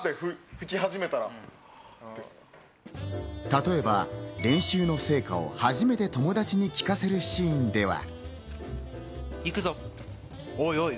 例えば練習の成果を初めて友達に聞かせるシーンでは。